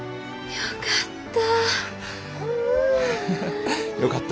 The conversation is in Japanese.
よかったな。